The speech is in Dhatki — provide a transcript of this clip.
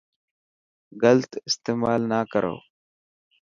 گلت استيمال نا ڪرو.